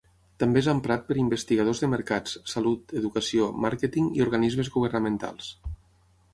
També és emprat per investigadors de mercats, salut, educació, màrqueting i organismes governamentals.